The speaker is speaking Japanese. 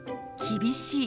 「厳しい」。